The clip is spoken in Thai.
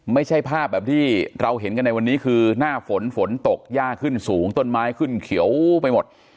ไม่ใช่ภาพแบบที่เราเห็นกันในวันนี้คือหน้าฝนฝนตกยากขึ้นสูงต้นไม้ขึ้นเขียวไปหมด